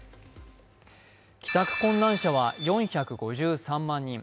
帰宅困難者は４５３万人。